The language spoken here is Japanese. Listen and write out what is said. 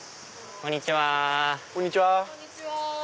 こんにちは。